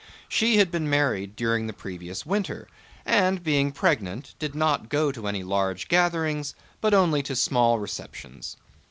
She had been married during the previous winter, and being pregnant did not go to any large gatherings, but only to small receptions.